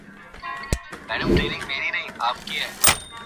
আমাদের চেয়ে তিনি কিসে ছােট যে, পিতা তাঁহাকে অপমান করিবেন?